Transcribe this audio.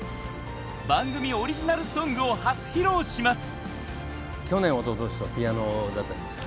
番組オリジナルソングを初披露します！